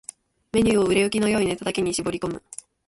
ⅱ メニューを売れ行きの良いネタだけに絞り込む